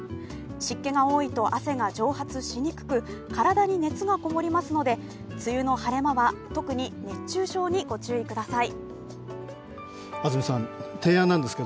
湿気が多いと、汗が蒸発しにくく体に熱が籠もりますので梅雨の晴れ間は特に熱中症にご注意ください。